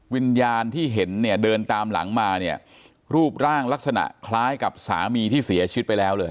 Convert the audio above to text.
วิญญาณที่เห็นเนี่ยเดินตามหลังมาเนี่ยรูปร่างลักษณะคล้ายกับสามีที่เสียชีวิตไปแล้วเลย